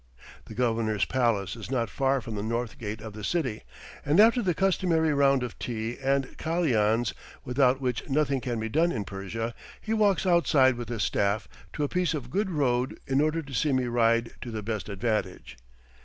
The Governor's palace is not far from the north gate of the city, and after the customary round of tea and kalians, without which nothing can be done in Persia, he walks outside with his staff to a piece of good road in order to see me ride to the best advantage.